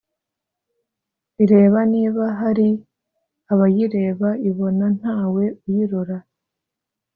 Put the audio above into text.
ireba niba hari abayireba, ibona ntawe uyirora,